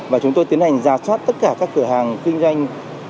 và chúng tôi tiến hành giao xoát tất cả các cửa hàng kinh doanh